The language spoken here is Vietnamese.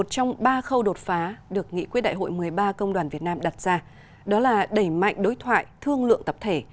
câu đột phá được nghị quyết đại hội một mươi ba công đoàn việt nam đặt ra đó là đẩy mạnh đối thoại thương lượng tập thể